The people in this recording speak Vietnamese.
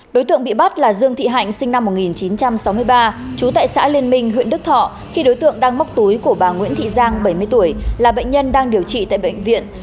đối tượng bị bắt là dương thị hạnh sinh năm một nghìn chín trăm sáu mươi ba trú tại xã liên minh huyện đức thọ khi đối tượng đang móc túi của bà nguyễn thị giang bảy mươi tuổi là bệnh nhân đang điều trị tại bệnh viện